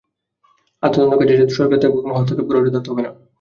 তবে তদন্তকাজে সরকারের তরফ থেকে কোনো হস্তক্ষেপ করাও যথার্থ হবে না।